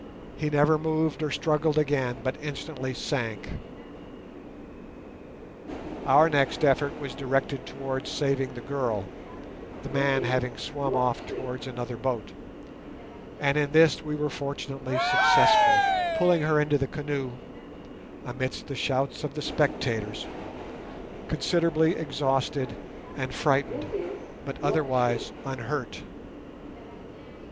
He never moved or struggled again, but instantly sank. Our next effort was directed towards saving the girl, the man having swum off towards another boat; and in this we were fortunately successful, pulling her into the canoe (amidst the shouts of the spectators) considerably exhausted and frightened, but otherwise unhurt.